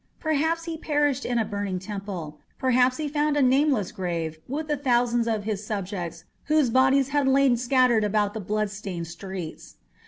Perhaps he perished in a burning temple; perhaps he found a nameless grave with the thousands of his subjects whose bodies had lain scattered about the blood stained streets.